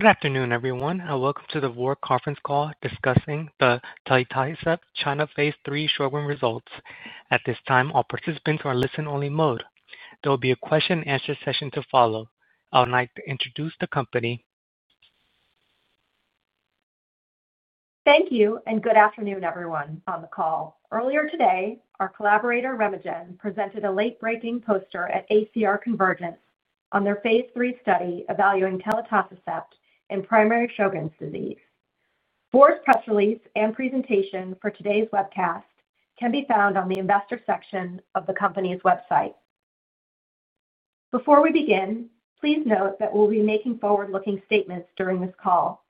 Good afternoon, everyone, and welcome to the Vor conference call discussing the telitacicept China phase III short-term results. At this time, all participants are in listen-only mode. There will be a question-and-answer session to follow. I would like to introduce the company. Thank you, and good afternoon, everyone, on the call. Earlier today, our collaborator, RemeGen, presented a late-breaking poster at ACR Convergence on their phase III study evaluating telitacicept in primary Sjögren’s disease. Vor’s press release and presentation for today's webcast can be found on the Investor section of the company's website. Before we begin, please note that we'll be making forward-looking statements during this call.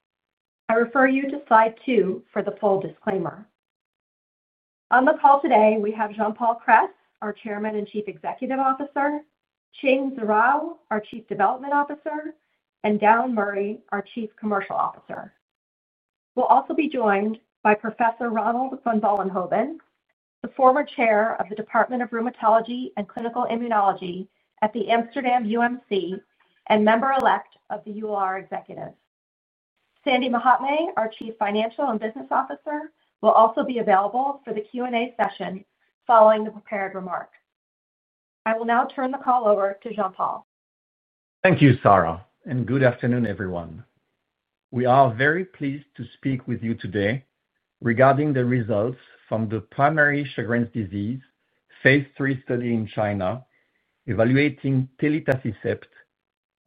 I refer you to slide two for the full disclaimer. On the call today, we have Jean-Paul Kress, our Chairman and Chief Executive Officer, Qing Zuraw, our Chief Development Officer, and Dallan Murray, our Chief Commercial Officer. We'll also be joined by Professor Ronald van Vollenhoven, the former Chair of the Department of Rheumatology and Clinical Immunology at the Amsterdam UMC, and Member Elect of the EULAR Executives. Sandy Mahatme, our Chief Financial and Business Officer, will also be available for the Q&A session following the prepared remarks. I will now turn the call over to Jean-Paul. Thank you, Sarah, and good afternoon, everyone. We are very pleased to speak with you today regarding the results from the primary Sjögren’s disease phase III study in China, evaluating telitacicept,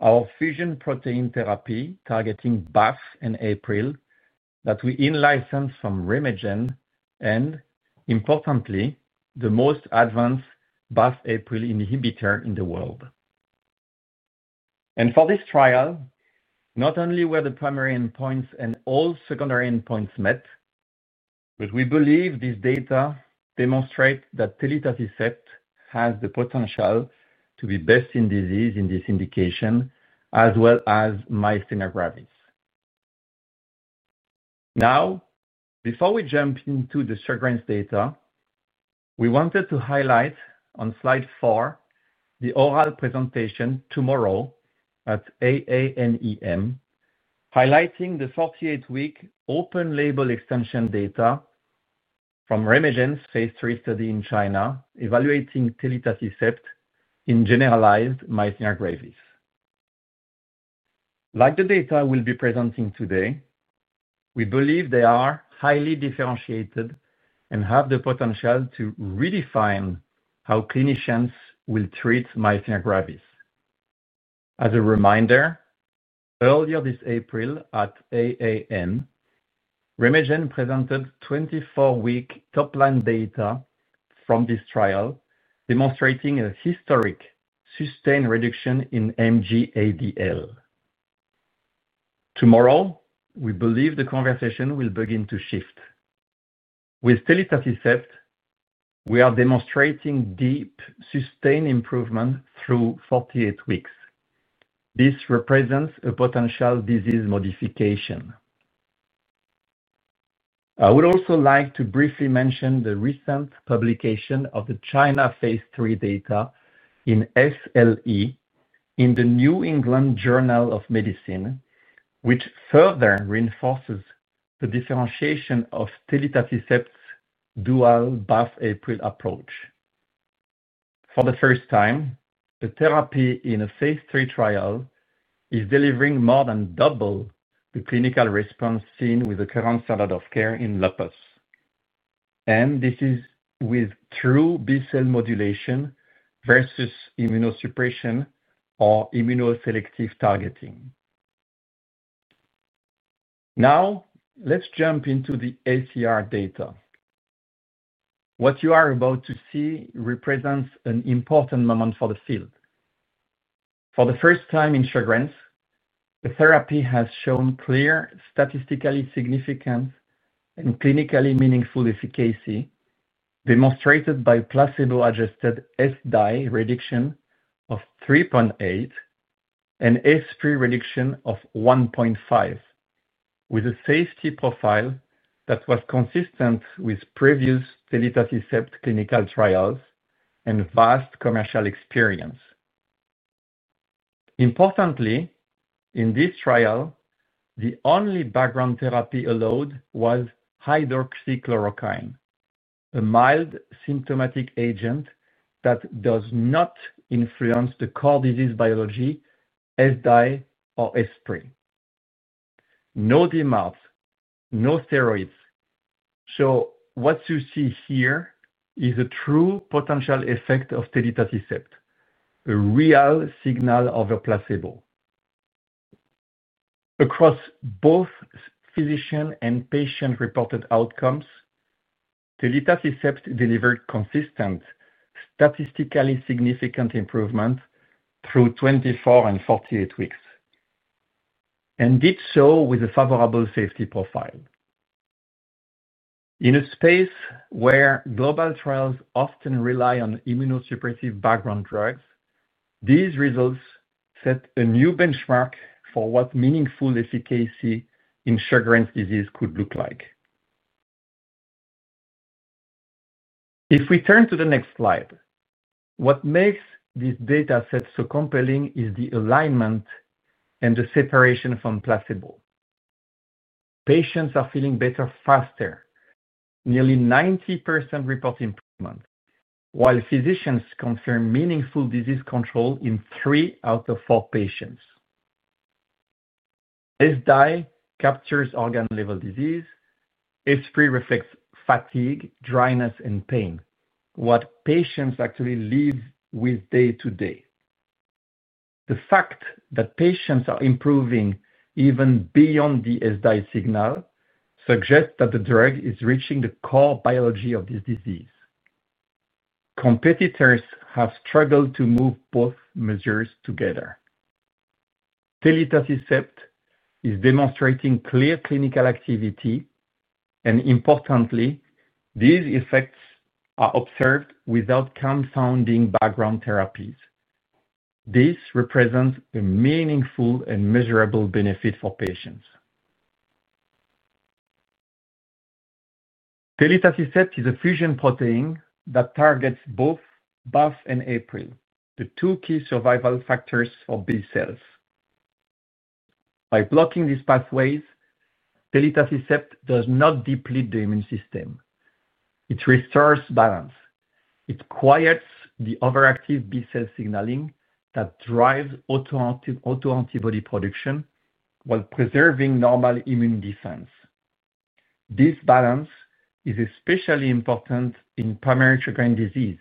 our fusion protein therapy targeting BAFF and APRIL that we in-licensed from RemeGen and, importantly, the most advanced BAFF/APRIL inhibitor in the world. For this trial, not only were the primary endpoints and all secondary endpoints met, but we believe this data demonstrates that telitacicept has the potential to be best in disease in this indication, as well as myasthenia gravis. Now, before we jump into the Sjögren’s data, we wanted to highlight on slide four the oral presentation tomorrow at AANEM, highlighting the 48-week open-label extension data from RemeGen’s phase III study in China, evaluating telitacicept in generalized myasthenia gravis. Like the data we’ll be presenting today, we believe they are highly differentiated and have the potential to redefine how clinicians will treat myasthenia gravis. As a reminder, earlier this April at AANEM, RemeGen presented 24-week top-line data from this trial, demonstrating a historic sustained reduction in MG-ADL. Tomorrow, we believe the conversation will begin to shift. With telitacicept, we are demonstrating deep sustained improvement through 48 weeks. This represents a potential disease modification. I would also like to briefly mention the recent publication of the China phase III data in SLE in the New England Journal of Medicine, which further reinforces the differentiation of telitacicept’s dual BAFF/APRIL approach. For the first time, a therapy in a phase III trial is delivering more than double the clinical response seen with the current standard of care in lupus. This is with true B-cell modulation versus immunosuppression or immunoselective targeting. Now, let’s jump into the ACR data. What you are about to see represents an important moment for the field. For the first time in Sjögren’s, the therapy has shown clear statistically significant and clinically meaningful efficacy, demonstrated by placebo-adjusted ESSDAI reduction of 3.8 and ESSPRI reduction of 1.5, with a safety profile that was consistent with previous telitacicept clinical trials and vast commercial experience. Importantly, in this trial, the only background therapy allowed was hydroxychloroquine, a mild symptomatic agent that does not influence the core disease biology ESSDAI or ESSPRI. No DMARDs, no steroids, so what you see here is a true potential effect of telitacicept, a real signal of a placebo. Across both physician and patient-reported outcomes, telitacicept delivered consistent, statistically significant improvement through 24 weeks and 48 weeks, and did so with a favorable safety profile. In a space where global trials often rely on immunosuppressive background drugs, these results set a new benchmark for what meaningful efficacy in Sjögren’s disease could look like. If we turn to the next slide, what makes this data set so compelling is the alignment and the separation from placebo. Patients are feeling better faster; nearly 90% report improvement, while physicians confirm meaningful disease control in three out of four patients. ESSDAI captures organ-level disease; ESSPRI reflects fatigue, dryness, and pain, what patients actually live with day to day. The fact that patients are improving even beyond the ESSDAI signal suggests that the drug is reaching the core biology of this disease. Competitors have struggled to move both measures together. Telitacicept is demonstrating clear clinical activity, and importantly, these effects are observed without confounding background therapies. This represents a meaningful and measurable benefit for patients. Telitacicept is a fusion protein that targets both BAFF and APRIL, the two key survival factors for B-cells. By blocking these pathways, telitacicept does not deplete the immune system. It restores balance. It quiets the overactive B-cell signaling that drives autoantibody production while preserving normal immune defense. This balance is especially important in primary Sjögren’s disease,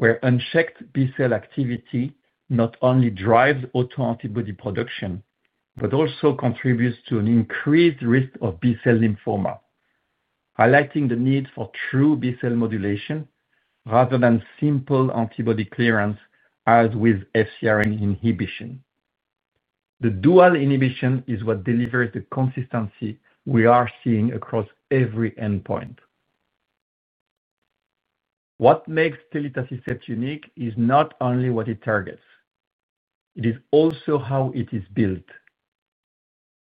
where unchecked B-cell activity not only drives autoantibody production but also contributes to an increased risk of B-cell lymphoma, highlighting the need for true B-cell modulation rather than simple antibody clearance, as with FCRN inhibition. The dual inhibition is what delivers the consistency we are seeing across every endpoint. What makes telitacicept unique is not only what it targets; it is also how it is built.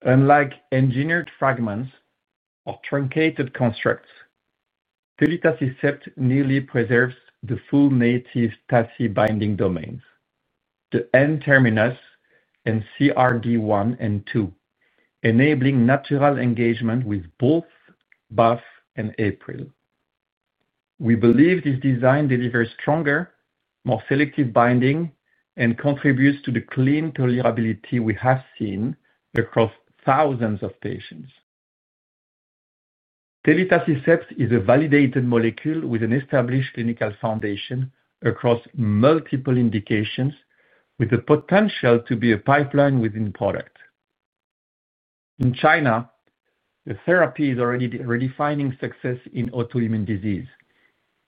Unlike engineered fragments or truncated constructs, telitacicept nearly preserves the full native TACI binding domains, the N-terminus and CRD1 and CRD2, enabling natural engagement with both BAFF and APRIL. We believe this design delivers stronger, more selective binding and contributes to the clean tolerability we have seen across thousands of patients. Telitacicept is a validated molecule with an established clinical foundation across multiple indications, with the potential to be a pipeline within product. In China, the therapy is already redefining success in autoimmune disease,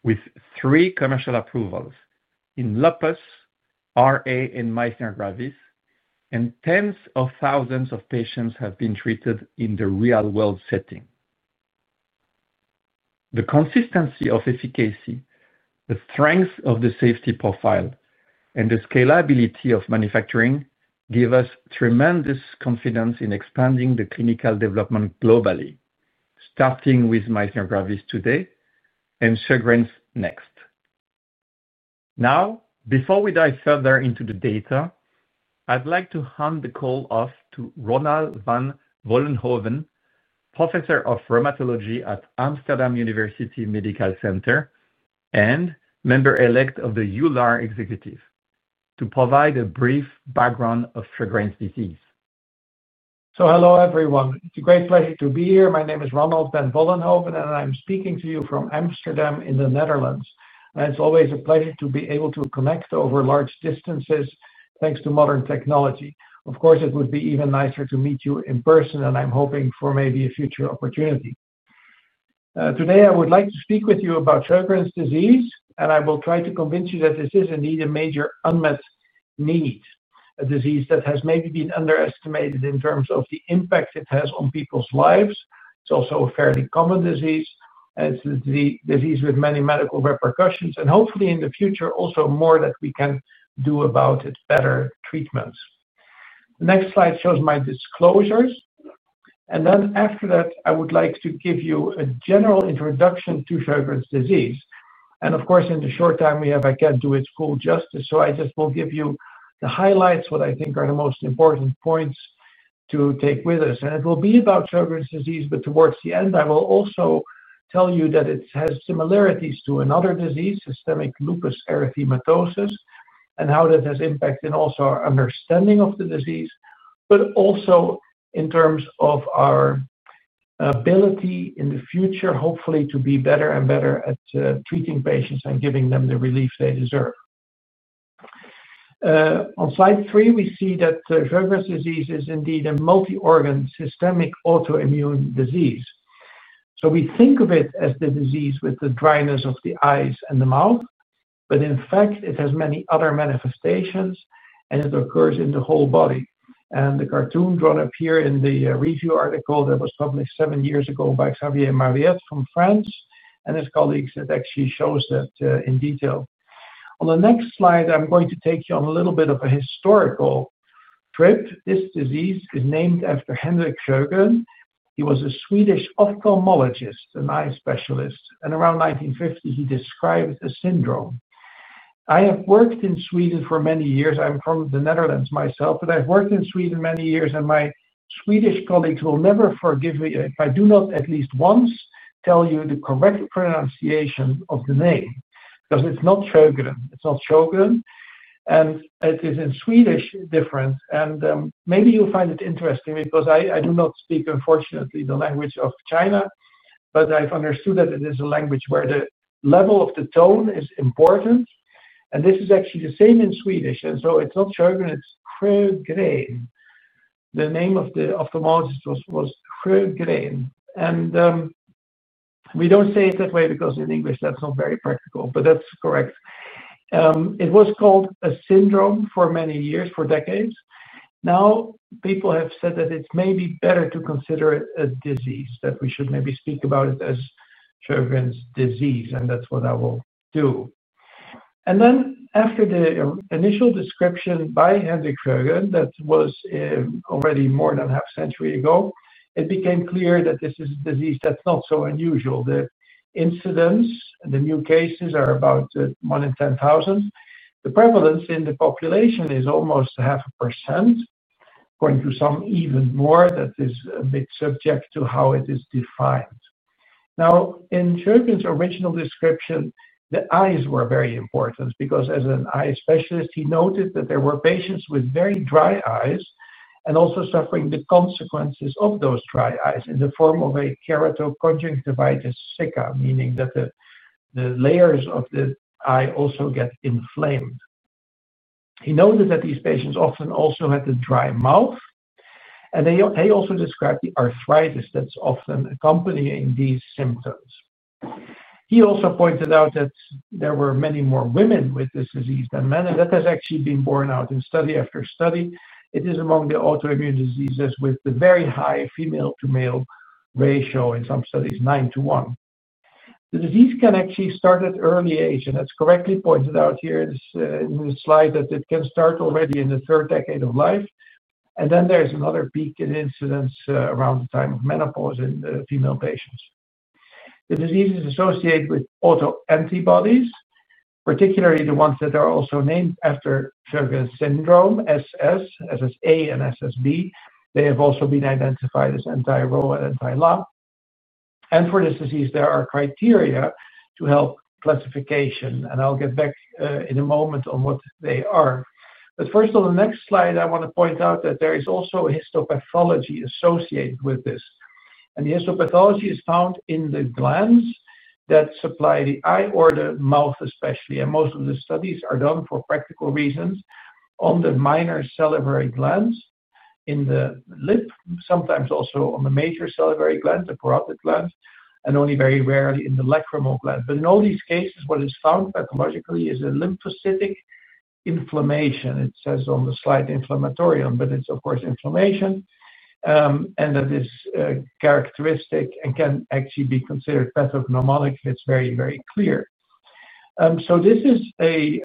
with three commercial approvals in lupus, rheumatoid arthritis, and myasthenia gravis, and tens of thousands of patients have been treated in the real-world setting. The consistency of efficacy, the strength of the safety profile, and the scalability of manufacturing give us tremendous confidence in expanding the clinical development globally, starting with myasthenia gravis today and Sjögren’s next. Now, before we dive further into the data, I'd like to hand the call off to Professor Ronald van Vollenhoven, Professor of Rheumatology at Amsterdam UMC and Member Elect of the EULAR Executive, to provide a brief background of Sjögren’s disease. Hello, everyone. It's a great pleasure to be here. My name is Professor Ronald van Vollenhoven, and I'm speaking to you from Amsterdam in the Netherlands. It's always a pleasure to be able to connect over large distances, thanks to modern technology. Of course, it would be even nicer to meet you in person, and I'm hoping for maybe a future opportunity. Today, I would like to speak with you about Sjögren’s disease, and I will try to convince you that this is indeed a major unmet need, a disease that has maybe been underestimated in terms of the impact it has on people's lives. It's also a fairly common disease, and it's a disease with many medical repercussions, and hopefully, in the future, also more that we can do about it, better treatments. The next slide shows my disclosures, and then after that, I would like to give you a general introduction to Sjögren’s disease. In the short time we have, I can't do it full justice, so I just will give you the highlights, what I think are the most important points to take with us. It will be about Sjögren’s disease, but towards the end, I will also tell you that it has similarities to another disease, systemic lupus erythematosus, and how that has impacted also our understanding of the disease, but also in terms of our ability in the future, hopefully, to be better and better at treating patients and giving them the relief they deserve. On slide three, we see that Sjögren’s disease is indeed a multi-organ systemic autoimmune disease. We think of it as the disease with the dryness of the eyes and the mouth, but in fact, it has many other manifestations, and it occurs in the whole body. The cartoon drawn up here in the review article that was published seven years ago by Xavier Mariette from France and his colleagues actually shows that in detail. On the next slide, I'm going to take you on a little bit of a historical trip. This disease is named after Henrik Sjögren. He was a Swedish ophthalmologist, an eye specialist, and around 1950, he described a syndrome. I have worked in Sweden for many years. I'm from the Netherlands myself, but I've worked in Sweden many years, and my Swedish colleagues will never forgive me if I do not at least once tell you the correct pronunciation of the name, because it's not Sjögren. It's not Sjogren, and it is in Swedish different. Maybe you'll find it interesting because I do not speak, unfortunately, the language of China, but I've understood that it is a language where the level of the tone is important. This is actually the same in Swedish, and so it's not Sjögren, it's Sjögren. The name of the ophthalmologist was Sjögren. We don't say it that way because in English, that's not very practical, but that's correct. It was called a syndrome for many years, for decades. Now, people have said that it's maybe better to consider it a disease, that we should maybe speak about it as Sjögren's disease, and that's what I will do. After the initial description by Henrik Sjögren, that was already more than half a century ago, it became clear that this is a disease that's not so unusual. The incidence and the new cases are about 1 in 10,000. The prevalence in the population is almost 0.5%, going to some even more. That is a bit subject to how it is defined. In Sjögren's original description, the eyes were very important because as an eye specialist, he noted that there were patients with very dry eyes and also suffering the consequences of those dry eyes in the form of a keratoconjunctivitis sicca, meaning that the layers of the eye also get inflamed. He noted that these patients often also had a dry mouth, and he also described the arthritis that's often accompanying these symptoms. He also pointed out that there were many more women with this disease than men, and that has actually been borne out in study after study. It is among the autoimmune diseases with the very high female-to-male ratio, in some studies, 9:1. The disease can actually start at an early age, and it's correctly pointed out here in this slide that it can start already in the third decade of life, and then there's another peak in incidence around the time of menopause in female patients. The disease is associated with autoantibodies, particularly the ones that are also named after Sjögren's syndrome, SS, SSA, and SSB. They have also been identified as anti-Ro and anti-La. For this disease, there are criteria to help classification, and I'll get back in a moment on what they are. First, on the next slide, I want to point out that there is also a histopathology associated with this. The histopathology is found in the glands that supply the eye or the mouth, especially. Most of the studies are done for practical reasons on the minor salivary glands, in the lip, sometimes also on the major salivary glands, the parotid glands, and only very rarely in the lacrimal gland. In all these cases, what is found pathologically is a lymphocytic inflammation. It says on the slide inflammatorium, but it's, of course, inflammation, and that is characteristic and can actually be considered pathognomonic if it's very, very clear. This is a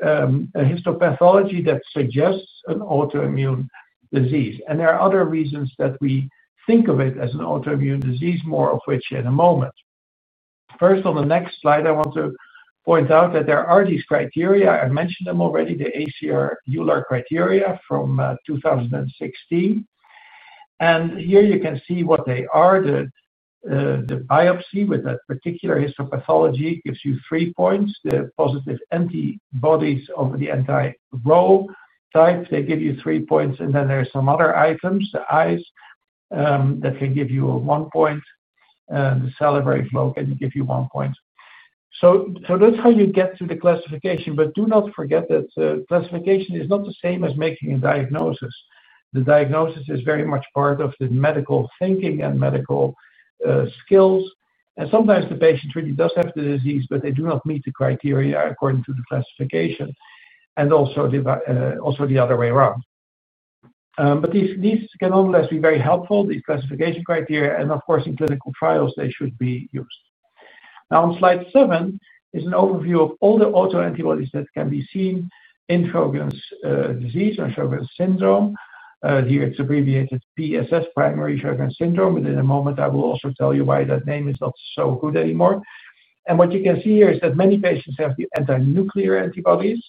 histopathology that suggests an autoimmune disease. There are other reasons that we think of it as an autoimmune disease, more of which in a moment. First, on the next slide, I want to point out that there are these criteria. I mentioned them already, the ACR EULAR criteria from 2016. Here you can see what they are. The biopsy with that particular histopathology gives you three points. The positive antibodies over the anti-Ro type, they give you three points. There are some other items, the eyes, that can give you one point, and the salivary flow can give you one point. That's how you get to the classification, but do not forget that the classification is not the same as making a diagnosis. The diagnosis is very much part of the medical thinking and medical skills. Sometimes the patient really does have the disease, but they do not meet the criteria according to the classification, and also the other way around. These can nonetheless be very helpful, these classification criteria, and of course, in clinical trials, they should be used. Now, on slide seven is an overview of all the autoantibodies that can be seen in Sjögren’s disease or Sjögren’s syndrome. Here, it's abbreviated PSS, primary Sjögren’s syndrome. Within a moment, I will also tell you why that name is not so good anymore. What you can see here is that many patients have the antinuclear antibodies.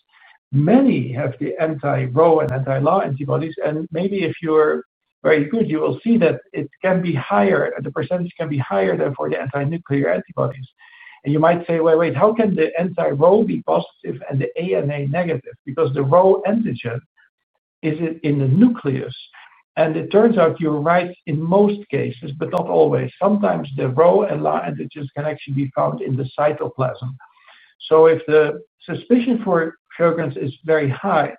Many have the anti-Ro and anti-La antibodies. Maybe if you're very good, you will see that it can be higher, the percentage can be higher than for the antinuclear antibodies. You might say, "Wait, wait, how can the anti-Ro be positive and the ANA negative?" Because the Ro antigen is in the nucleus. It turns out you're right in most cases, but not always. Sometimes the Ro and La antigens can actually be found in the cytoplasm. If the suspicion for Sjögren’s is very high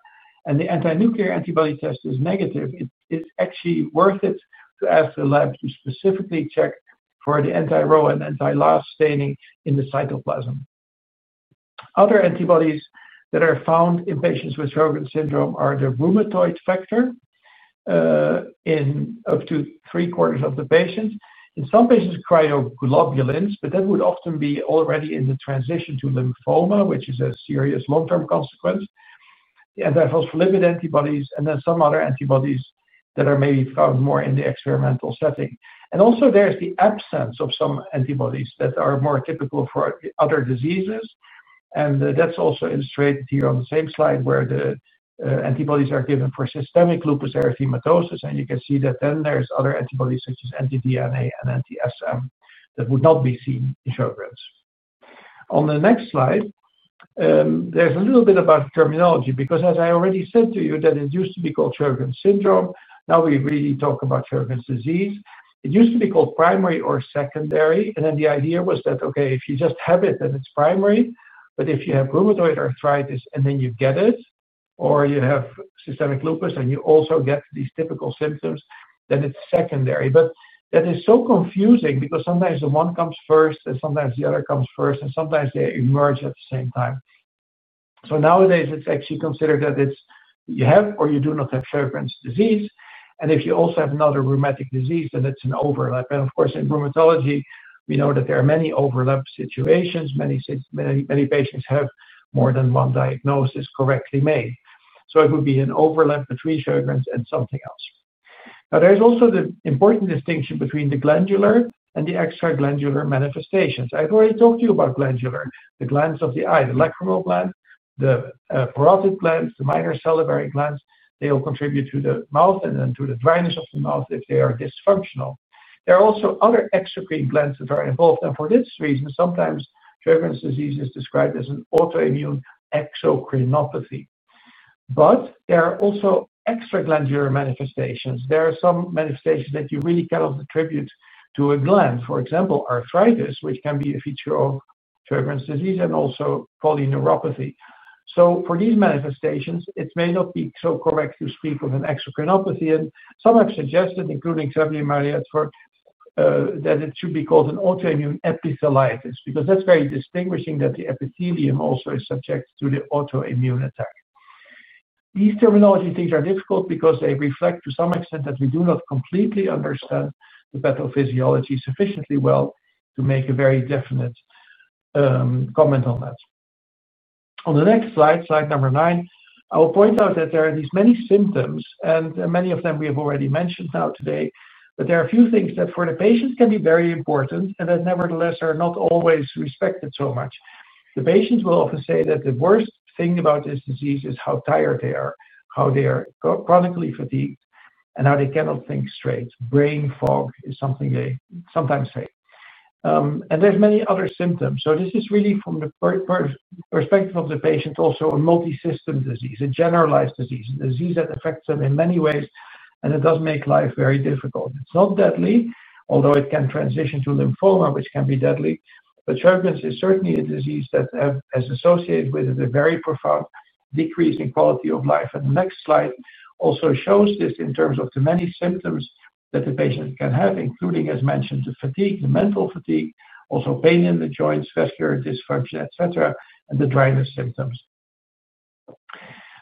and the antinuclear antibody test is negative, it's actually worth it to ask the lab to specifically check for the anti-Ro and anti-La staining in the cytoplasm. Other antibodies that are found in patients with Sjögren’s disease are the rheumatoid factor in up to 75% of the patients. In some patients, cryoglobulins, but that would often be already in the transition to lymphoma, which is a serious long-term consequence. Antiphospholipid antibodies and then some other antibodies that are maybe found more in the experimental setting. There is also the absence of some antibodies that are more typical for other diseases. That is also illustrated here on the same slide where the antibodies are given for systemic lupus erythematosus. You can see that there are other antibodies such as anti-DNA and anti-SM that would not be seen in Sjögren’s. On the next slide, there is a little bit about terminology because, as I already said to you, it used to be called Sjögren’s syndrome. Now we really talk about Sjögren’s disease. It used to be called primary or secondary. The idea was that, "Okay, if you just have it, then it's primary. If you have rheumatoid arthritis and then you get it, or you have systemic lupus and you also get these typical symptoms, then it's secondary." That is so confusing because sometimes the one comes first and sometimes the other comes first, and sometimes they emerge at the same time. Nowadays, it's actually considered that you have or you do not have Sjögren’s disease. If you also have another rheumatic disease, then it's an overlap. Of course, in rheumatology, we know that there are many overlap situations. Many patients have more than one diagnosis correctly made. It would be an overlap between Sjögren’s and something else. There is also the important distinction between the glandular and the extraglandular manifestations. I've already talked to you about glandular, the glands of the eye, the lacrimal gland, the parotid glands, the minor salivary glands. They all contribute to the mouth and then to the dryness of the mouth if they are dysfunctional. There are also other exocrine glands that are involved. For this reason, sometimes Sjögren’s disease is described as an autoimmune exocrinopathy. There are also extraglandular manifestations. There are some manifestations that you really cannot attribute to a gland, for example, arthritis, which can be a feature of Sjögren’s disease, and also polyneuropathy. For these manifestations, it may not be so correct to speak of an exocrinopathy. Some have suggested, including [Skopouli], that it should be called an autoimmune epitheliitis because that's very distinguishing that the epithelium also is subject to the autoimmune attack. These terminology things are difficult because they reflect, to some extent, that we do not completely understand the pathophysiology sufficiently well to make a very definite comment on that. On the next slide, slide number nine, I will point out that there are these many symptoms, and many of them we have already mentioned now today. There are a few things that for the patients can be very important and that nevertheless are not always respected so much. The patients will often say that the worst thing about this disease is how tired they are, how they're chronically fatigued, and how they cannot think straight. Brain fog is something they sometimes say. There are many other symptoms. This is really from the perspective of the patient also on multi-system disease, a generalized disease, a disease that affects them in many ways, and it does make life very difficult. It's not deadly, although it can transition to lymphoma, which can be deadly. Sjögren’s is certainly a disease that has associated with it a very profound decrease in quality of life. The next slide also shows this in terms of the many symptoms that the patient can have, including, as mentioned, the fatigue, the mental fatigue, also pain in the joints, vascular dysfunction, etc., and the dryness symptoms.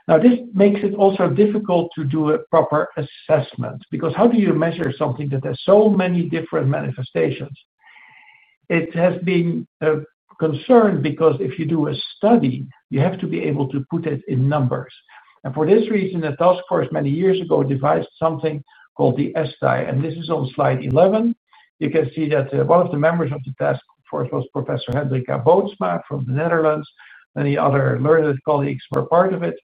This makes it also difficult to do a proper assessment because how do you measure something that has so many different manifestations? It has been a concern because if you do a study, you have to be able to put it in numbers. For this reason, the task force many years ago devised something called the ESSDAI, and this is on slide 11. You can see that one of the members of the task force was Professor Hendrika Bootsma from the Netherlands, and the other learned colleagues were part of it.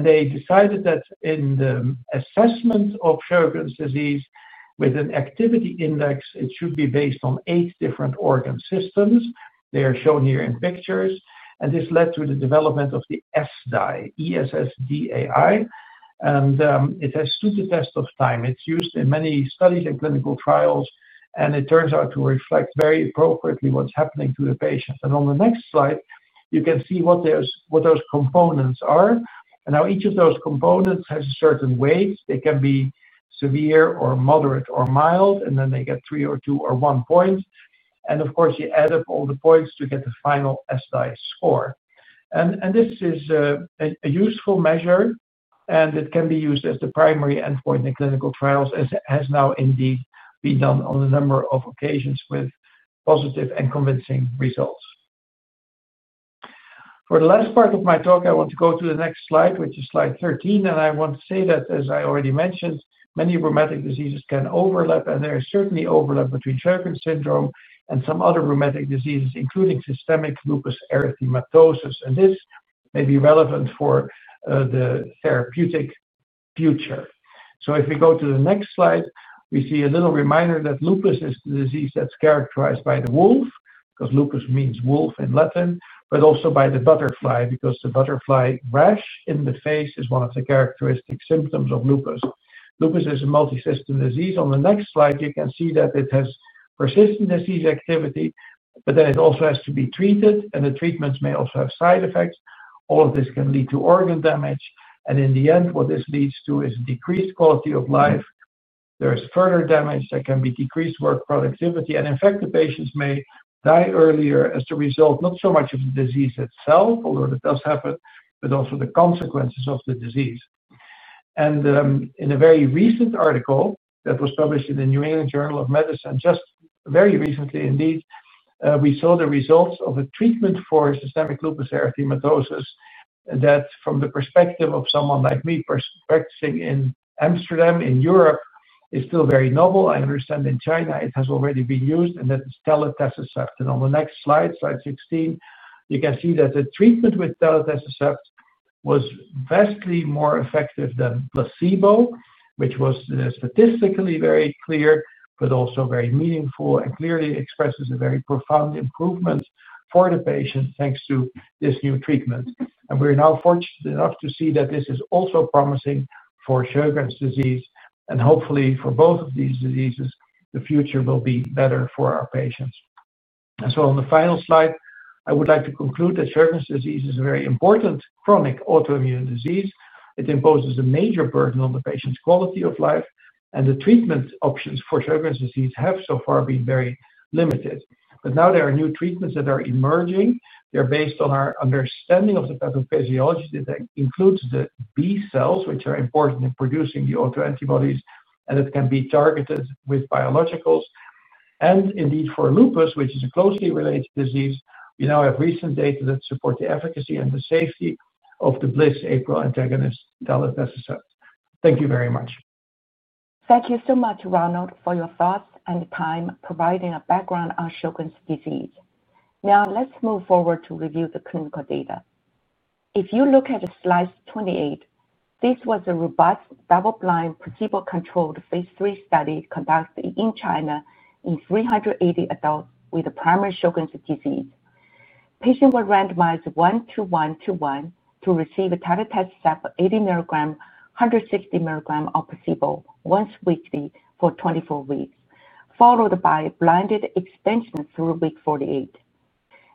They decided that in the assessment of Sjögren’s disease with an activity index, it should be based on eight different organ systems. They are shown here in pictures. This led to the development of the ESSDAI, and it has stood the test of time. It's used in many studies and clinical trials, and it turns out to reflect very appropriately what's happening to the patient. On the next slide, you can see what those components are. Each of those components has a certain weight. They can be severe, moderate, or mild, and then they get three, two, or one point. You add up all the points to get the final ESSDAI score. This is a useful measure, and it can be used as the primary endpoint in clinical trials, as it has now indeed been done on a number of occasions with positive and convincing results. For the last part of my talk, I want to go to the next slide, which is slide 13. As I already mentioned, many rheumatic diseases can overlap, and there is certainly overlap between primary Sjögren’s disease and some other rheumatic diseases, including systemic lupus erythematosus. This may be relevant for the therapeutic future. If we go to the next slide, we see a little reminder that lupus is the disease that's characterized by the wolf, because lupus means wolf in Latin, but also by the butterfly because the butterfly rash in the face is one of the characteristic symptoms of lupus. Lupus is a multi-system disease. On the next slide, you can see that it has persistent disease activity, but it also has to be treated, and the treatments may also have side effects. All of this can lead to organ damage. In the end, what this leads to is a decreased quality of life. There is further damage that can be decreased work productivity. In fact, the patients may die earlier as a result, not so much of the disease itself, although that does happen, but also the consequences of the disease. In a very recent article that was published in the New England Journal of Medicine, just very recently indeed, we saw the results of a treatment for systemic lupus erythematosus that, from the perspective of someone like me practicing in Amsterdam in Europe, is still very novel. I understand in China it has already been used, and that is telitacicept. On the next slide, slide 16, you can see that the treatment with telitacicept was vastly more effective than placebo, which was statistically very clear, but also very meaningful and clearly expresses a very profound improvement for the patient thanks to this new treatment. We're now fortunate enough to see that this is also promising for Sjögren’s disease. Hopefully, for both of these diseases, the future will be better for our patients. On the final slide, I would like to conclude that Sjögren’s disease is a very important chronic autoimmune disease. It imposes a major burden on the patient's quality of life, and the treatment options for Sjögren’s disease have so far been very limited. Now there are new treatments that are emerging. They're based on our understanding of the pathophysiology that includes the B-cells, which are important in producing the autoantibodies, and it can be targeted with biologicals. Indeed, for lupus, which is a closely related disease, we now have recent data that support the efficacy and the safety of the BAFF/APRIL antagonist, telitacicept. Thank you very much. Thank you so much, Ronald, for your thoughts and time providing a background on Sjögren’s disease. Now, let's move forward to review the clinical data. If you look at slide 28, this was a robust double-blind, placebo-controlled phase III study conducted in China in 380 adults with primary Sjögren’s disease. Patients were randomized 1:1:1 to receive telitacicept 80 mg, 160 mg, or placebo once weekly for 24 weeks, followed by blinded extension through week 48.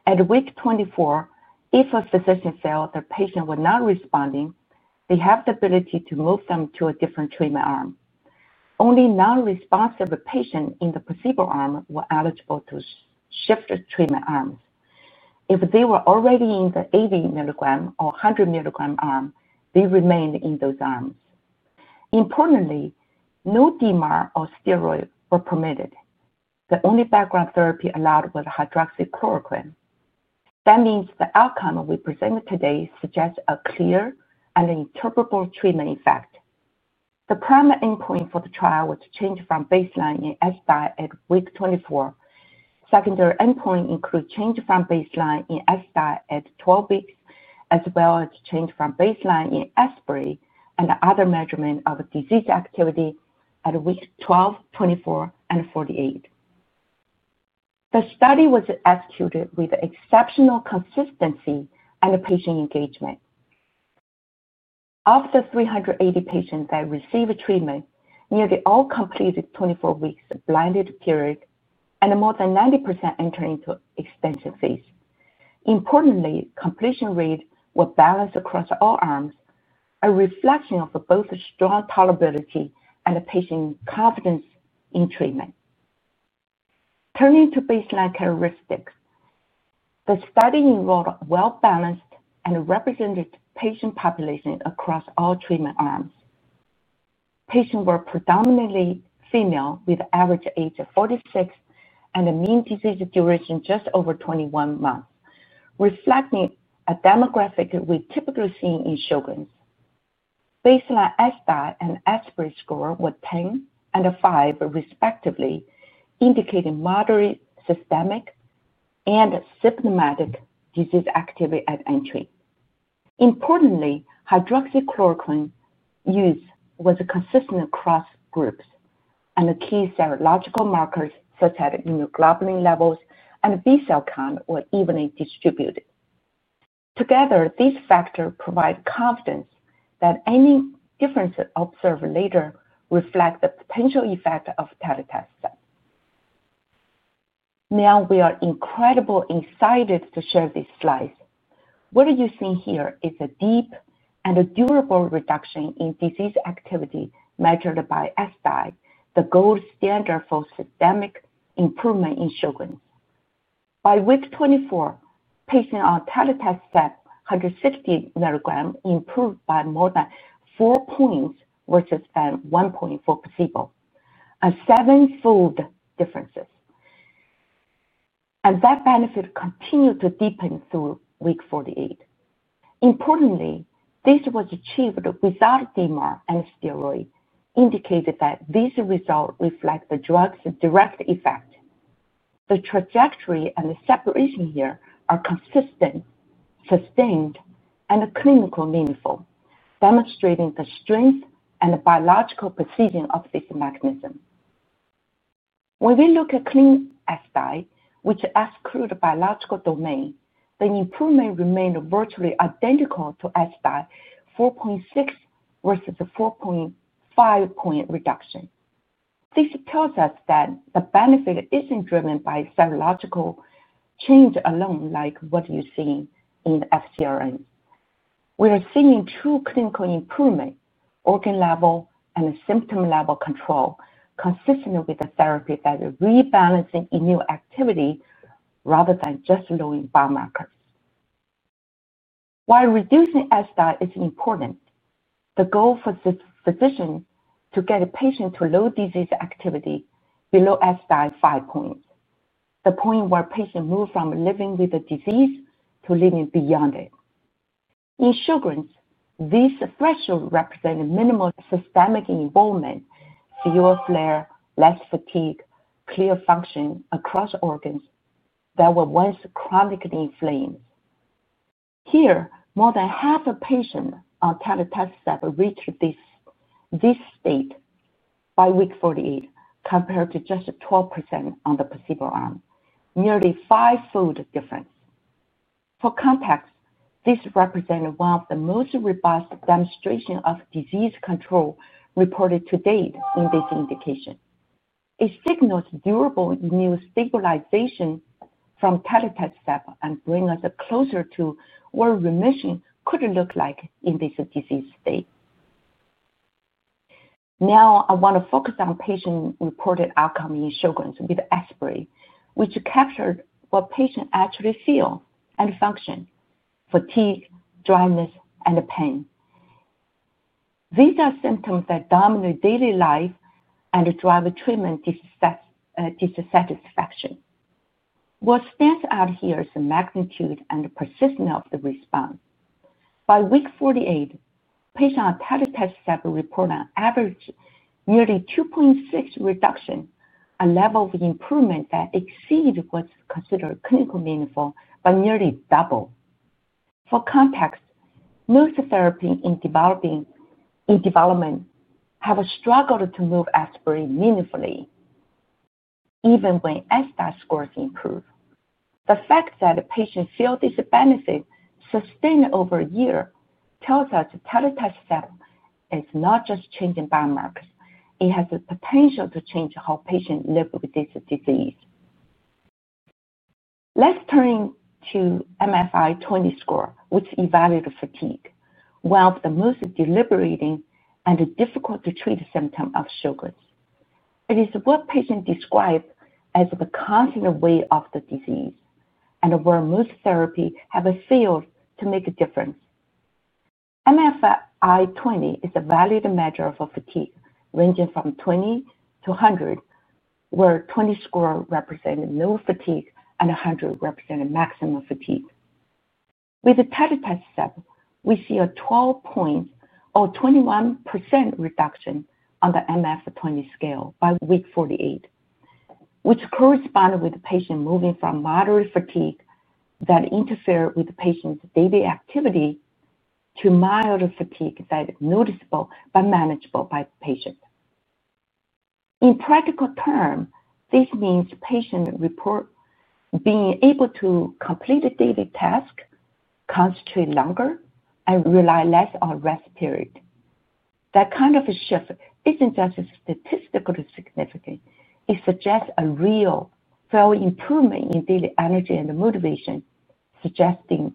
At week 24, if a physician felt that patients were not responding, they had the ability to move them to a different treatment arm. Only nonresponsive patients in the placebo arm were eligible to shift treatment arms. If they were already in the 80 mg or 160 mg arm, they remained in those arms. Importantly, no DMARD or steroid was permitted. The only background therapy allowed was hydroxychloroquine. That means the outcome we presented today suggests a clear and interpretable treatment effect. The primary endpoint for the trial was change from baseline in ESSDAI at week 24. Secondary endpoints include change from baseline in ESSDAI at 12 weeks, as well as change from baseline in ESSPRI and other measurements of disease activity at week 12, 24, and 48. The study was executed with exceptional consistency and patient engagement. Of the 380 patients that received treatment, nearly all completed the 24-week blinded period, and more than 90% entered into the extension phase. Importantly, completion rates were balanced across all arms, a reflection of both strong tolerability and the patients' confidence in treatment. Turning to baseline characteristics, the study enrolled a well-balanced and representative patient population across all treatment arms. Patients were predominantly female with an average age of 46 and a mean disease duration just over 21 months, reflecting a demographic we've typically seen in Sjögren’s. Baseline ESSDAI and ESSPRI scores were 10 and 5, respectively, indicating moderate systemic and symptomatic disease activity at entry. Importantly, hydroxychloroquine use was consistent across groups, and the key serological markers, such as immunoglobulin levels and B-cell count, were evenly distributed. Together, these factors provide confidence that any differences observed later reflect the potential effect of telitacicept. Now, we are incredibly excited to share these slides. What you see here is a deep and a durable reduction in disease activity measured by ESSDAI, the gold standard for systemic improvement in Sjögren’s. By week 24, patients on telitacicept 160 mg improved by more than four points versus 1.4 placebo, a seven-fold difference. That benefit continued to deepen through week 48. Importantly, this was achieved without DMARD and steroid, indicating that these results reflect the drug's direct effect. The trajectory and the separation here are consistent, sustained, and clinically meaningful, demonstrating the strength and the biological precision of this mechanism. When we look at clean ESSDAI, which excludes the biological domain, the improvement remained virtually identical to ESSDAI, 4.6 versus a 4.5-point reduction. This tells us that the benefit isn't driven by serological change alone, like what you're seeing in FCRN therapies. We are seeing true clinical improvement, organ level and symptom level control, consistent with the therapy that is rebalancing immune activity rather than just lowering biomarkers. While reducing ESSDAI is important, the goal for the physician is to get a patient to low disease activity below ESSDAI 5 points, the point where patients move from living with the disease to living beyond it. In Sjögren’s, this threshold represented minimal systemic involvement, fewer flares, less fatigue, clear function across organs that were once chronically inflamed. Here, more than half of patients on telitacicept reached this state by week 48, compared to just 12% on the placebo arm, nearly a five-fold difference. For context, this represented one of the most robust demonstrations of disease control reported to date in this indication. It signals durable immune stabilization from telitacicept and brings us closer to what remission could look like in this disease state. Now, I want to focus on patient-reported outcomes in Sjögren’s with ESSPRI, which captured what patients actually feel and function: fatigue, dryness, and pain. These are symptoms that dominate daily life and drive treatment dissatisfaction. What stands out here is the magnitude and the persistence of the response. By week 48, patients on telitacicept reported an average nearly 2.6 reduction, a level of improvement that exceeds what's considered clinically meaningful by nearly double. For context, most therapies in development have struggled to move ESSPRI meaningfully, even when ESSDAI scores improve. The fact that patients feel this benefit sustained over a year tells us telitacicept is not just changing biomarkers; it has the potential to change how patients live with this disease. Let's turn to MFI-20 score, which evaluates fatigue, one of the most debilitating and difficult-to-treat symptoms of Sjögren's. It is what patients describe as the constant weight of the disease and where most therapies have failed to make a difference. MFI-20 is a valued measure for fatigue, ranging from 20-100, where 20 score represents no fatigue and 100 represents maximum fatigue. With telitacicept, we see a 12-point or 21% reduction on the MFI-20 scale by week 48, which corresponds with patients moving from moderate fatigue that interferes with the patient's daily activity to mild fatigue that is noticeable but manageable by the patient. In practical terms, this means patients report being able to complete a daily task, concentrate longer, and rely less on rest periods. That kind of a shift isn't just statistically significant; it suggests a real, felt improvement in daily energy and motivation, suggesting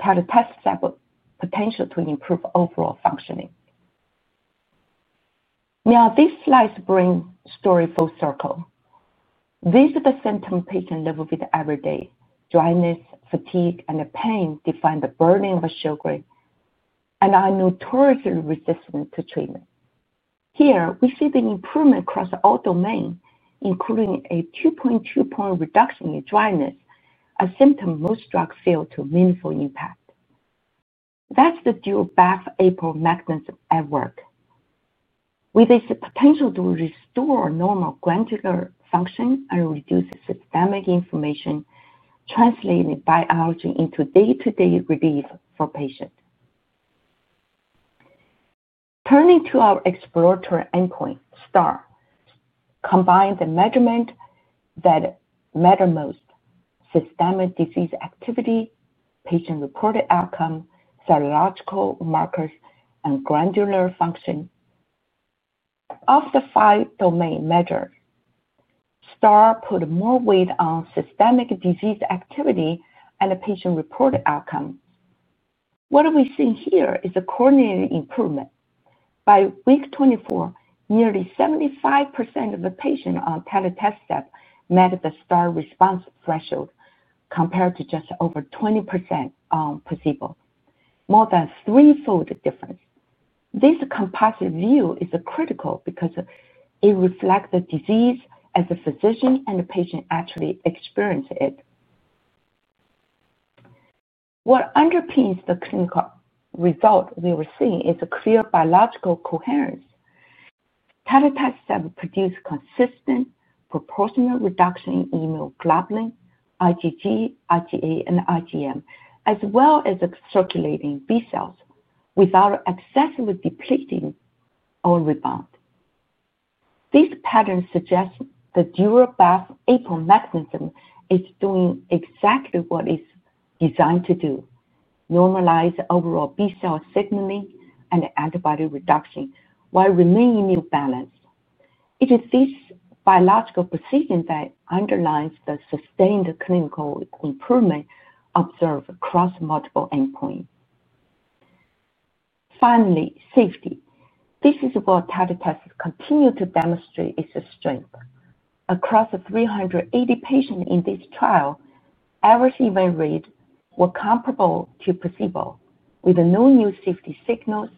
telitacicept's potential to improve overall functioning. Now, this slide brings the story full circle. These are the symptoms patients live with every day: dryness, fatigue, and pain defined by the burning of Sjögren's and are notoriously resistant to treatment. Here, we see the improvement across all domains, including a 2.2-point reduction in dryness, a symptom most drugs fail to meaningfully impact. That's the dual BAFF/APRIL mechanism at work. With its potential to restore normal glandular function and reduce systemic inflammation, translating biology into day-to-day relief for patients. Turning to our exploratory endpoint, STAR, combines the measurements that matter most: systemic disease activity, patient-reported outcome, serological markers, and glandular function. Of the five-domain measures, STAR puts more weight on systemic disease activity and patient-reported outcomes. What we're seeing here is a coordinated improvement. By week 24, nearly 75% of the patients on telitacicept met the STAR response threshold, compared to just over 20% on placebo, more than a three-fold difference. This composite view is critical because it reflects the disease as a physician and the patient actually experiencing it. What underpins the clinical result we were seeing is a clear biological coherence. Telitacicept produced consistent, proportional reduction in immunoglobulin, IgG, IgA, and IgM, as well as circulating B-cells, without excessively depleting or rebound. These patterns suggest the dual BAFF/APRIL mechanism is doing exactly what it's designed to do: normalize overall B-cell signaling and antibody reduction while remaining balanced. It is this biological precision that underlines the sustained clinical improvement observed across multiple endpoints. Finally, safety. This is what telitacicept continues to demonstrate its strength. Across 380 patients in this trial, average event rates were comparable to placebo, with no new safety signals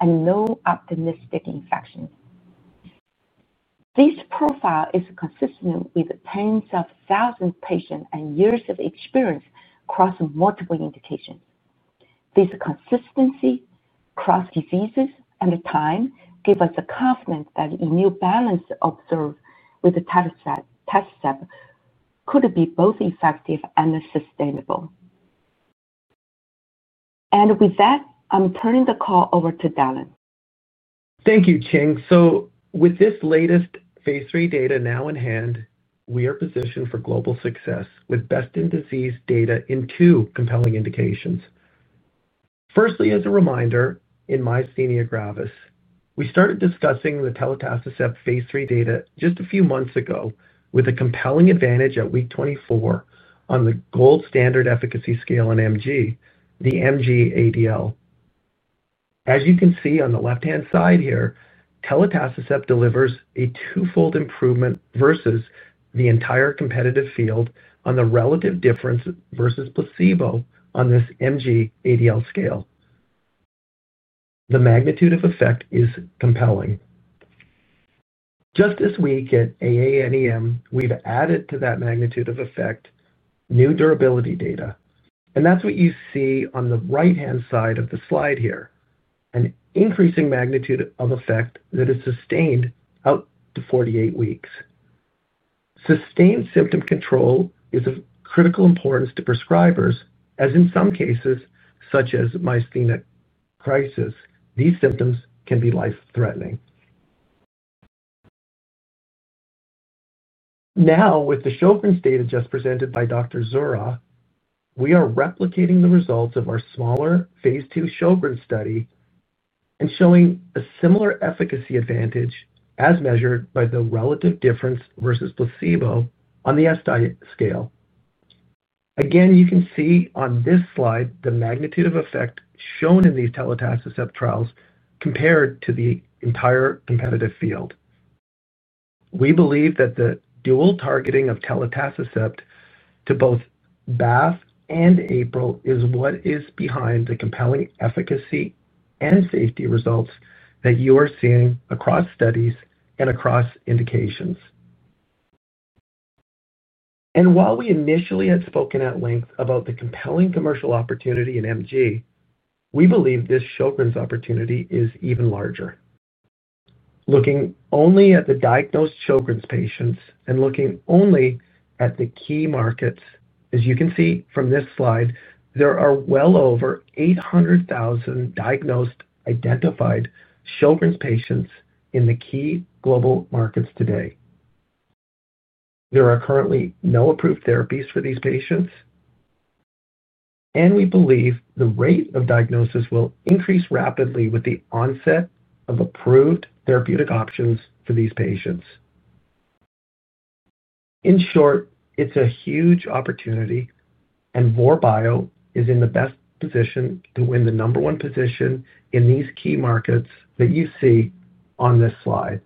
and no opportunistic infections. This profile is consistent with tens of thousands of patients and years of experience across multiple indications. This consistency across diseases and time gives us confidence that the immune balance observed with telitacicept could be both effective and sustainable. With that, I'm turning the call over to Dallan. Thank you, Qing. With this latest phase III data now in hand, we are positioned for global success with best-in-disease data in two compelling indications. Firstly, as a reminder, in myasthenia gravis, we started discussing the telitacicept phase III data just a few months ago with a compelling advantage at week 24 on the gold standard efficacy scale in MG, the MG ADL. As you can see on the left-hand side here, telitacicept delivers a two-fold improvement versus the entire competitive field on the relative difference versus placebo on this MG ADL scale. The magnitude of effect is compelling. Just this week at AANEM, we've added to that magnitude of effect new durability data. That's what you see on the right-hand side of the slide here, an increasing magnitude of effect that is sustained out to 48 weeks. Sustained symptom control is of critical importance to prescribers, as in some cases, such as myasthenia crisis, these symptoms can be life-threatening. Now, with the Sjögren’s data just presented by Dr. Zuraw, we are replicating the results of our smaller phase II Sjögren’s study and showing a similar efficacy advantage as measured by the relative difference versus placebo on the ESSDAI scale. You can see on this slide the magnitude of effect shown in these telitacicept trials compared to the entire competitive field. We believe that the dual targeting of telitacicept to both BAFF and APRIL is what is behind the compelling efficacy and safety results that you are seeing across studies and across indications. While we initially had spoken at length about the compelling commercial opportunity in MG, we believe this Sjögren’s opportunity is even larger. Looking only at the diagnosed Sjögren’s patients and looking only at the key markets, as you can see from this slide, there are well over 800,000 diagnosed, identified Sjögren’s patients in the key global markets today. There are currently no approved therapies for these patients, and we believe the rate of diagnosis will increase rapidly with the onset of approved therapeutic options for these patients. In short, it's a huge opportunity, and Vor Bio is in the best position to win the number one position in these key markets that you see on this slide.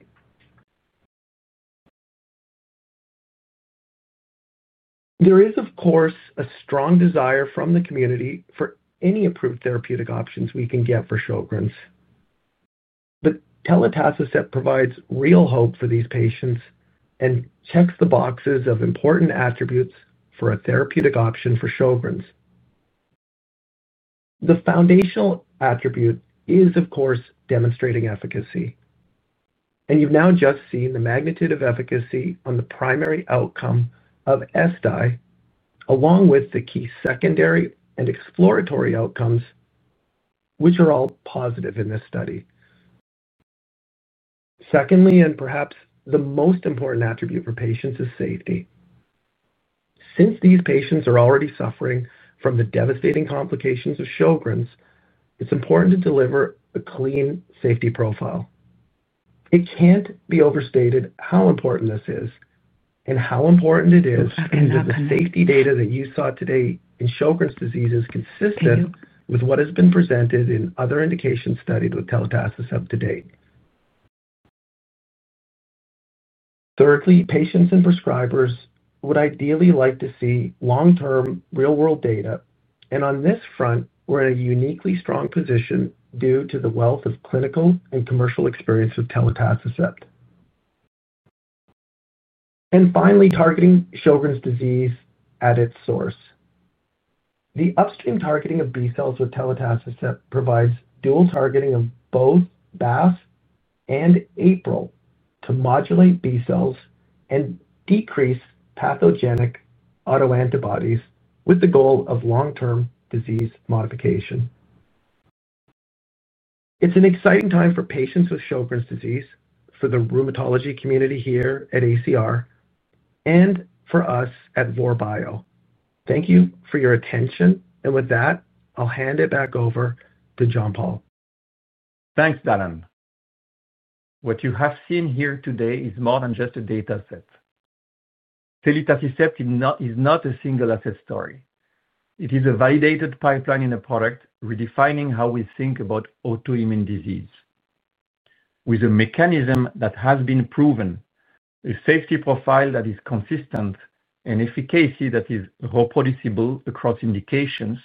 There is, of course, a strong desire from the community for any approved therapeutic options we can get for Sjögren’s. Telitacicept provides real hope for these patients and checks the boxes of important attributes for a therapeutic option for Sjögren’s. The foundational attribute is, of course, demonstrating efficacy. You’ve now just seen the magnitude of efficacy on the primary outcome of ESSDAI, along with the key secondary and exploratory outcomes, which are all positive in this study. Secondly, and perhaps the most important attribute for patients, is safety. Since these patients are already suffering from the devastating complications of Sjögren’s, it’s important to deliver a clean safety profile. It can’t be overstated how important this is and how important it is that the safety data that you saw today in Sjögren’s disease is consistent with what has been presented in other indications studied with telitacicept to date. Thirdly, patients and prescribers would ideally like to see long-term real-world data. On this front, we’re in a uniquely strong position due to the wealth of clinical and commercial experience with telitacicept. Finally, targeting Sjögren’s disease at its source, the upstream targeting of B-cells with telitacicept provides dual targeting of both BAFF and APRIL to modulate B-cells and decrease pathogenic autoantibodies with the goal of long-term disease modification. It’s an exciting time for patients with Sjögren’s disease, for the rheumatology community here at ACR, and for us at Vor Bio. Thank you for your attention. With that, I’ll hand it back over to Jean-Paul. Thanks, Dallan. What you have seen here today is more than just a data set. Telitacicept is not a single-asset story. It is a validated pipeline in a product redefining how we think about autoimmune disease. With a mechanism that has been proven, a safety profile that is consistent, and efficacy that is reproducible across indications,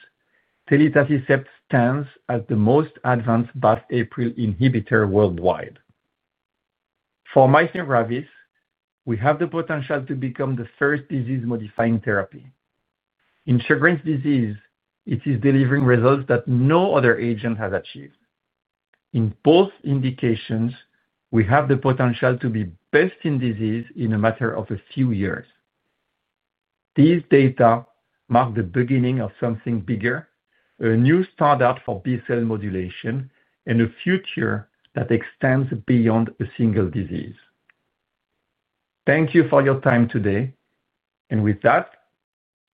telitacicept stands as the most advanced BAFF/APRIL inhibitor worldwide. For myasthenia gravis, we have the potential to become the first disease-modifying therapy. In Sjögren’s disease, it is delivering results that no other agent has achieved. In both indications, we have the potential to be best in disease in a matter of a few years. These data mark the beginning of something bigger, a new standard for B-cell modulation, and a future that extends beyond a single disease. Thank you for your time today.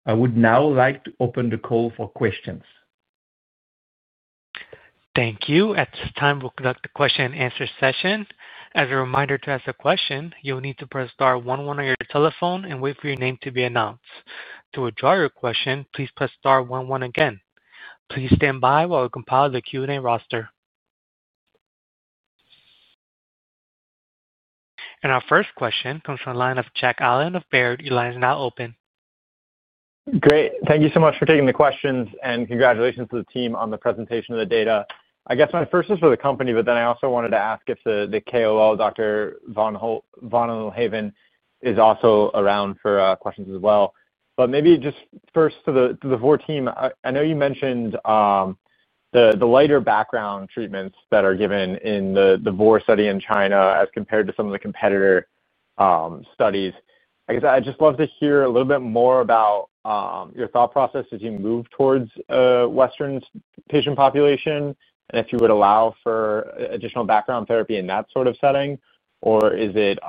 I would now like to open the call for questions. Thank you. At this time, we'll conduct the question-and-answer session. As a reminder, to ask a question, you'll need to press star one one on your telephone and wait for your name to be announced. To withdraw your question, please press star one one again. Please stand by while we compile the Q&A roster. Our first question comes from the line of Jack Allen of Baird. Your line is now open. Great. Thank you so much for taking the questions, and congratulations to the team on the presentation of the data. I guess my first is for the company, but I also wanted to ask if the KOL, Dr. van Vollenhoven, is also around for questions as well. Maybe just first to the Vor team, I know you mentioned the lighter background treatments that are given in the Vor study in China as compared to some of the competitor studies. I'd just love to hear a little bit more about your thought process as you move towards a Western patient population, and if you would allow for additional background therapy in that sort of setting, or is it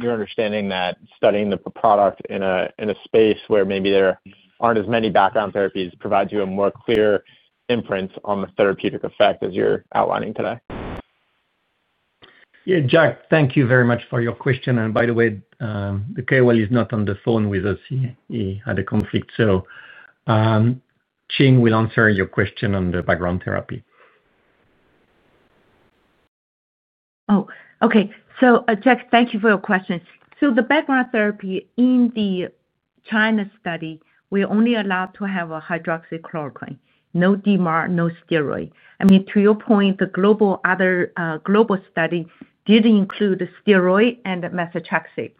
your understanding that studying the product in a space where maybe there aren't as many background therapies provides you a more clear imprint on the therapeutic effect as you're outlining today? Yeah, Jack, thank you very much for your question. By the way, the KOL is not on the phone with us. He had a conflict. Qing will answer your question on the background therapy. Oh, okay. Jack, thank you for your question. The background therapy in the China study, we're only allowed to have hydroxychloroquine, no DMARD, no steroid. I mean, to your point, the global study did include steroid and methotrexate.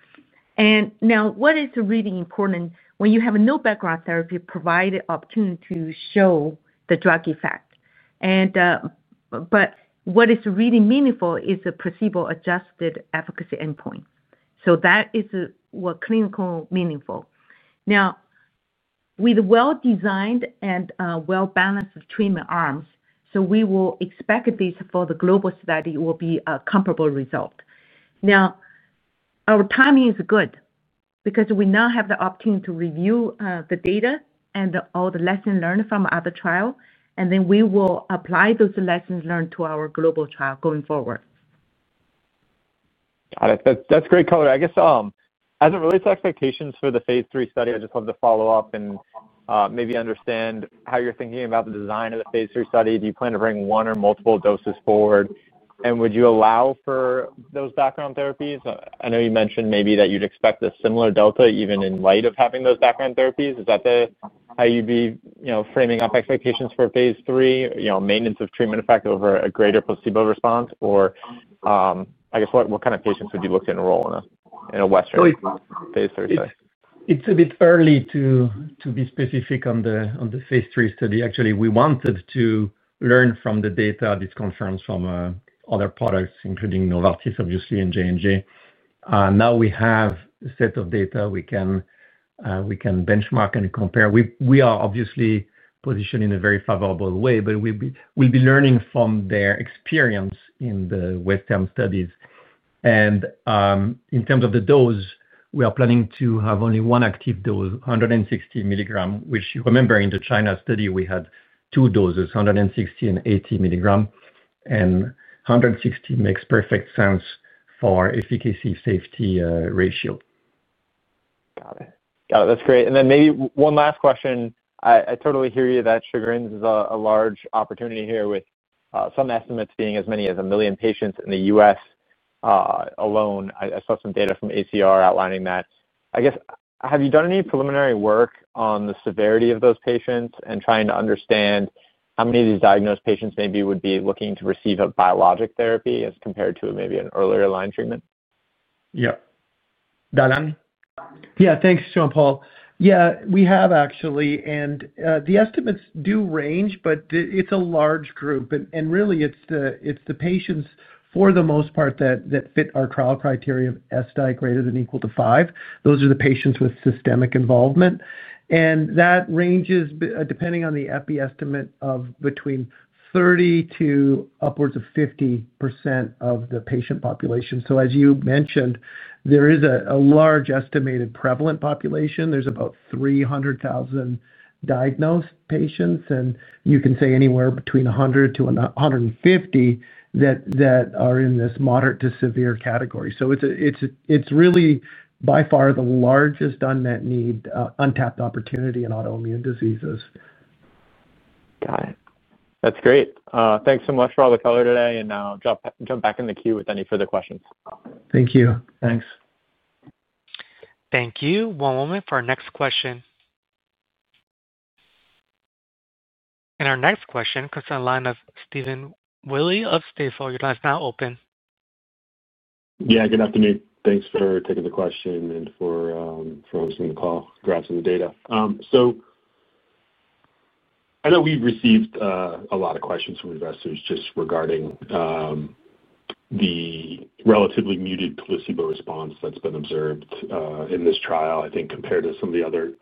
What is really important when you have no background therapy is it provided opportunity to show the drug effect. What is really meaningful is the placebo-adjusted efficacy endpoint. That is what's clinically meaningful. With well-designed and well-balanced treatment arms, we will expect this for the global study will be a comparable result. Our timing is good because we now have the opportunity to review the data and all the lessons learned from the other trial, and then we will apply those lessons learned to our global trial going forward. Got it. That's great color. I guess as it relates to expectations for the phase III study, I'd just love to follow up and maybe understand how you're thinking about the design of the phase III study. Do you plan to bring one or multiple doses forward? Would you allow for those background therapies? I know you mentioned maybe that you'd expect a similar delta even in light of having those background therapies. Is that how you'd be framing up expectations for phase III, maintenance of treatment effect over a greater placebo response? What kind of patients would you look to enroll in a Western phase III study? It's a bit early to be specific on the phase III study. Actually, we wanted to learn from the data this confirms from other products, including Novartis, obviously, and J&J. Now we have a set of data we can benchmark and compare. We are obviously positioned in a very favorable way. We will be learning from their experience in the Western studies. In terms of the dose, we are planning to have only one active dose, 160 mg, which you remember in the China study, we had two doses, 160 and 80 mg. 160 makes perfect sense for efficacy-safety ratio. Got it. That's great. Maybe one last question. I totally hear you that Sjögren’s is a large opportunity here with some estimates being as many as 1 million patients in the U.S. alone. I saw some data from ACR outlining that. I guess have you done any preliminary work on the severity of those patients and trying to understand how many of these diagnosed patients maybe would be looking to receive a biologic therapy as compared to maybe an earlier line treatment? Yeah. Dallin? Yeah, thanks, Jean-Paul. Yeah, we have actually. The estimates do range, but it's a large group. It's the patients, for the most part, that fit our trial criteria of ESSDAI greater than or equal to 5. Those are the patients with systemic involvement, and that ranges, depending on the EPI estimate, between 30% to upwards of 50% of the patient population. As you mentioned, there is a large estimated prevalent population. There's about 300,000 diagnosed patients, and you can say anywhere between 100,000-150,000 that are in this moderate to severe category. It's really, by far, the largest unmet need, untapped opportunity in autoimmune diseases. Got it. That's great. Thanks so much for all the color today. I'll jump back in the queue with any further questions. Thank you. Thanks. Thank you. One moment for our next question. Our next question comes from the line of Stephen Willey of Stifel. Your line is now open. Yeah, good afternoon. Thanks for taking the question and for the call, grabbing some of the data. I know we've received a lot of questions from investors just regarding the relatively muted placebo response that's been observed in this trial, I think, compared to some of the other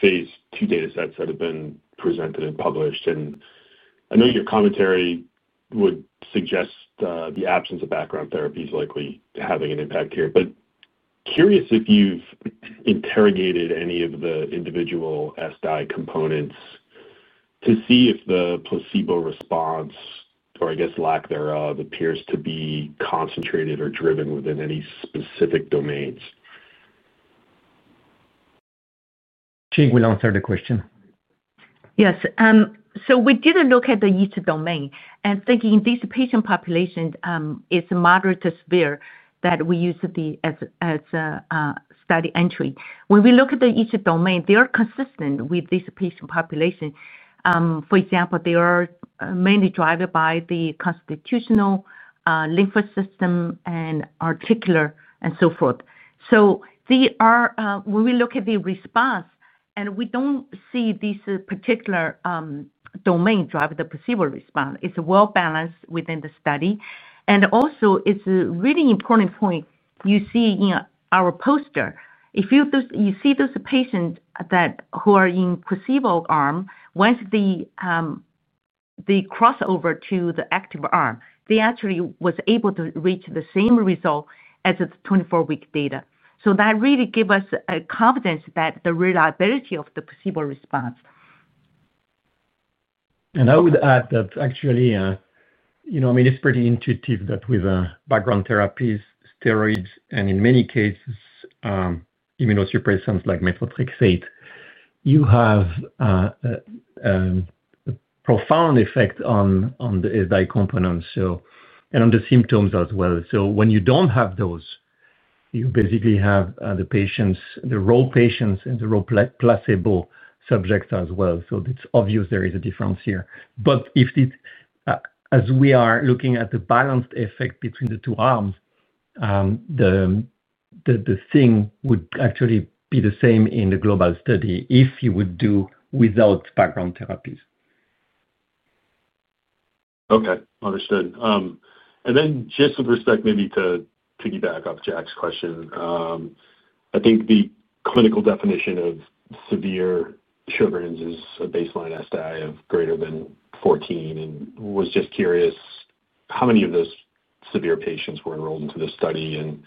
phase II data sets that have been presented and published. I know your commentary would suggest the absence of background therapy is likely having an impact here. Curious if you've interrogated any of the individual ESSDAI components to see if the placebo response, or I guess lack thereof, appears to be concentrated or driven within any specific domains. Qing will answer the question. Yes. We did look at the ESSDAI domain. Thinking this patient population is moderate to severe that we use as a study entry, when we look at the ESSDAI domain, they are consistent with this patient population. For example, they are mainly driven by the constitutional, lymphatic system, and articular, and so forth. When we look at the response and we don't see this particular domain driving the placebo response, it's well balanced within the study. It's a really important point you see in our poster. If you see those patients who are in the placebo arm, once they cross over to the active arm, they actually were able to reach the same result as the 24-week data. That really gives us confidence in the reliability of the placebo response. I would add that actually, you know, I mean, it's pretty intuitive that with background therapies, steroids, and in many cases, immunosuppressants like methotrexate, you have a profound effect on the ESSDAI components and on the symptoms as well. When you don't have those, you basically have the patients, the role patients, and the role placebo subjects as well. It's obvious there is a difference here. If this, as we are looking at the balanced effect between the two arms, the thing would actually be the same in the global study if you would do without background therapies. Okay. Understood. Just with respect maybe to piggyback off Jack's question, I think the clinical definition of severe Sjögren’s is a baseline ESSDAI of greater than 14. I was just curious how many of those severe patients were enrolled into this study, and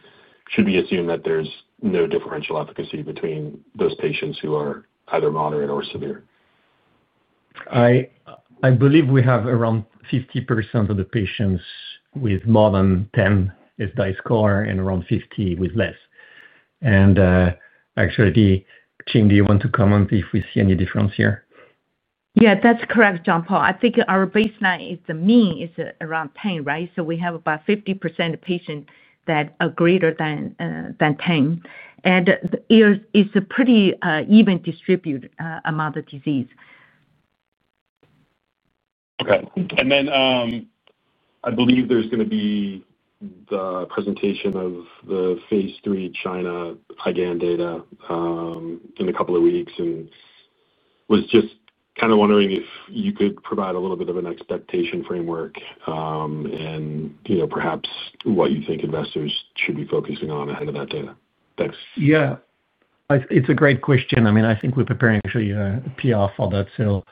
should we assume that there's no differential efficacy between those patients who are either moderate or severe? I believe we have around 50% of the patients with more than 10 ESSDAI score and around 50% with less. Actually, Qing, do you want to comment if we see any difference here? Yeah, that's correct, Jean-Paul. I think our baseline is the mean is around 10, right? We have about 50% of patients that are greater than 10, and it's a pretty even distributed amount of disease. Okay. I believe there's going to be the presentation of the phase III China high-gain data in a couple of weeks. I was just kind of wondering if you could provide a little bit of an expectation framework and perhaps what you think investors should be focusing on ahead of that data. Thanks. Yeah. It's a great question. I think we're preparing actually a PR for that.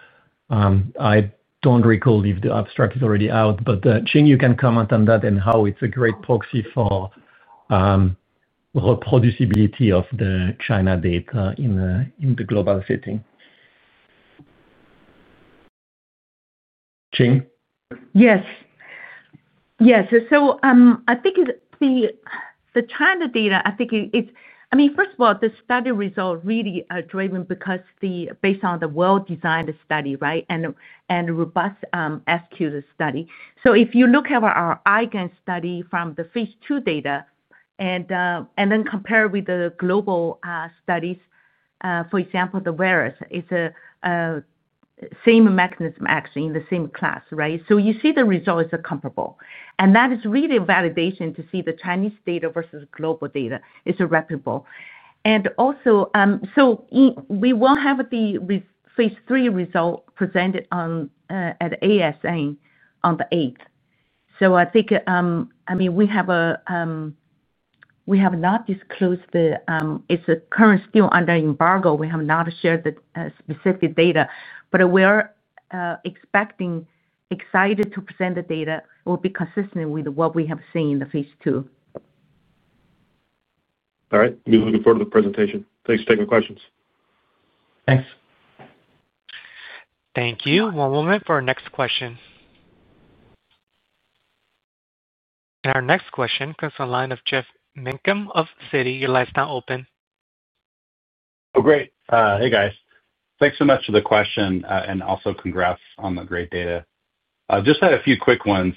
I don't recall if the abstract is already out, but Qing, you can comment on that and how it's a great proxy for reproducibility of the China data in the global setting. Qing? Yes. Yes. I think the China data, I think it's, I mean, first of all, the study results really are driven because based on the well-designed study, right, and a robust SQL study. If you look at our high-gain study from the phase II data and then compare it with the global studies, for example, the virus, it's the same mechanism actually in the same class, right? You see the results are comparable. That is really a validation to see the Chinese data versus global data. It's reputable. Also, we will have the Phase Three result presented at ASN on the 8th. I think, I mean, we have not disclosed the, it's currently still under embargo. We have not shared the specific data, but we are expecting excited to present the data will be consistent with what we have seen in the phase II. All right. We're looking forward to the presentation. Thanks for taking the questions. Thanks. Thank you. One moment for our next question. Our next question comes from the line of Geoff Meacham of Citi. Your line is now open. Oh, great. Hey guys. Thanks so much for the question and also congrats on the great data. I just had a few quick ones.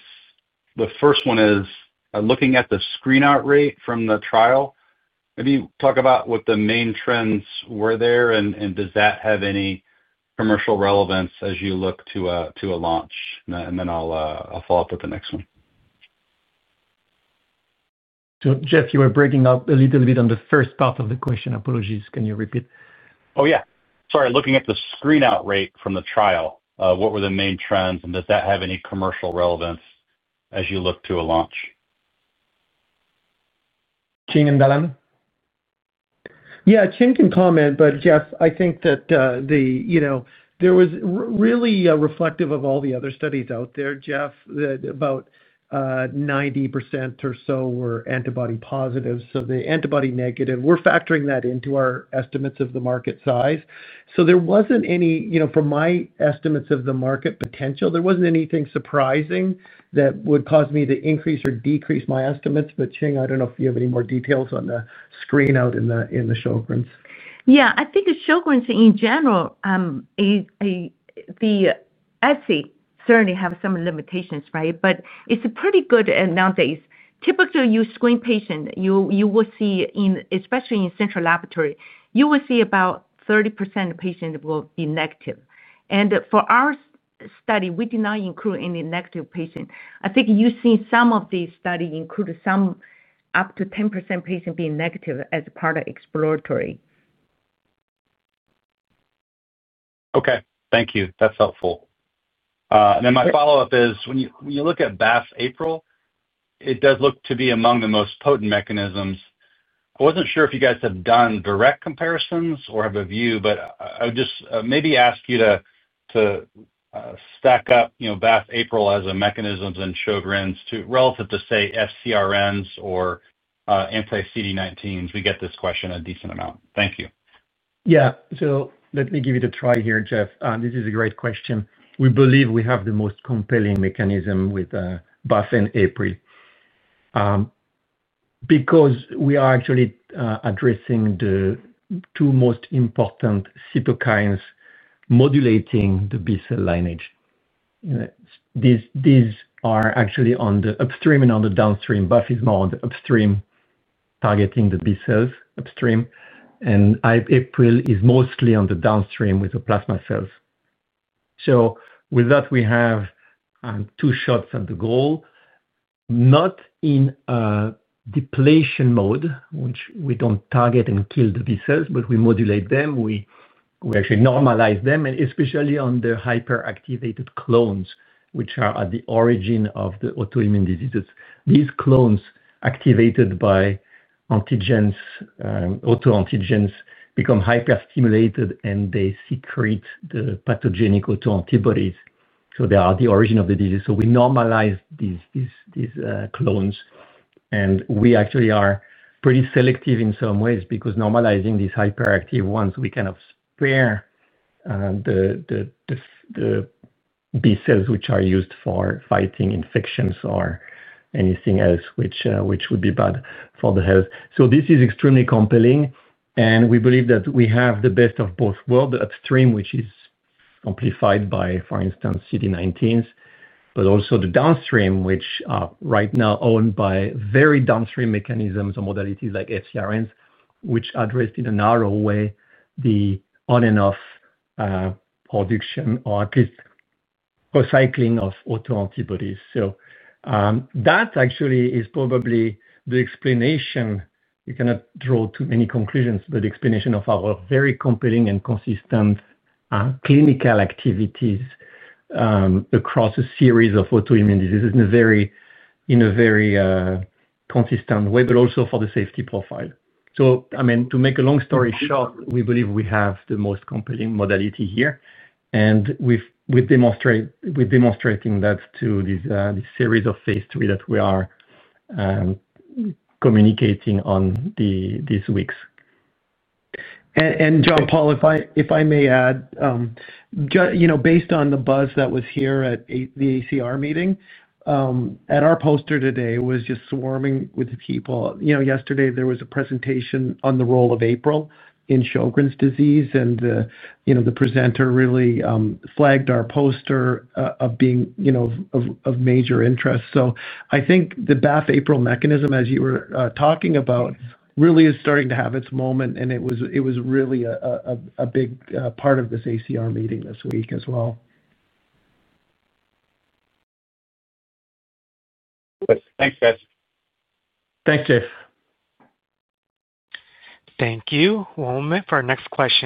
The first one is looking at the screenout rate from the trial. Maybe talk about what the main trends were there and does that have any commercial relevance as you look to a launch? I'll follow up with the next one. Jeff, you were breaking up a little bit on the first part of the question. Apologies, can you repeat? Sorry. Looking at the screenout rate from the trial, what were the main trends and does that have any commercial relevance as you look to a launch? Qing and Dallan? Yeah, Qing can comment, but Jeff, I think that was really reflective of all the other studies out there, Jeff, that about 90% or so were antibody positive. The antibody negative, we're factoring that into our estimates of the market size. There wasn't any, from my estimates of the market potential, there wasn't anything surprising that would cause me to increase or decrease my estimates. Qing, I don't know if you have any more details on the screenout in the Sjögren’s. Yeah, I think Sjögren’s in general, the ESSDAI certainly has some limitations, right? It’s pretty good nowadays. Typically, you screen patients, you will see, especially in central laboratory, you will see about 30% of patients will be negative. For our study, we did not include any negative patients. I think you’ve seen some of these studies include up to 10% patients being negative as part of exploratory. Okay. Thank you. That's helpful. My follow-up is when you look at BAFF/APRIL, it does look to be among the most potent mechanisms. I wasn't sure if you guys have done direct comparisons or have a view, but I would just maybe ask you to stack up BAFF/APRIL as a mechanism in Sjögren’s relative to, say, FCRNs or anti-CD19s. We get this question a decent amount. Thank you. Yeah. Let me give it a try here, Jeff. This is a great question. We believe we have the most compelling mechanism with BAFF and APRIL because we are actually addressing the two most important cytokines modulating the B-cell lineage. These are actually on the upstream and on the downstream. BAFF is more on the upstream, targeting the B-cells upstream, and APRIL is mostly on the downstream with the plasma cells. With that, we have two shots at the goal, not in a depletion mode, which we don't target and kill the B-cells, but we modulate them. We actually normalize them, especially on the hyperactivated clones, which are at the origin of the autoimmune diseases. These clones activated by autoantigens become hyperstimulated, and they secrete the pathogenic autoantibodies. They are at the origin of the disease. We normalize these clones, and we actually are pretty selective in some ways because normalizing these hyperactive ones, we kind of spare the B-cells which are used for fighting infections or anything else, which would be bad for the health. This is extremely compelling. We believe that we have the best of both worlds, the upstream, which is amplified by, for instance, anti-CD19 therapies, but also the downstream, which are right now owned by very downstream mechanisms or modalities like FCRN therapies, which address in a narrow way the on-and-off production or at least recycling of autoantibodies. That actually is probably the explanation. You cannot draw too many conclusions, but the explanation of our very compelling and consistent clinical activities across a series of autoimmune diseases in a very consistent way, but also for the safety profile. To make a long story short, we believe we have the most compelling modality here. We've demonstrated that through this series of phase III that we are communicating on these weeks. Jean-Paul, if I may add, based on the buzz that was here at the ACR meeting, at our poster today, it was just swarming with people. Yesterday, there was a presentation on the role of APRIL in Sjögren’s disease, and the presenter really flagged our poster as being of major interest. I think the BAFF/APRIL mechanism, as you were talking about, really is starting to have its moment. It was really a big part of this ACR meeting this week as well. Thanks, guys. Thanks, Jeff. Thank you. One moment for our next question.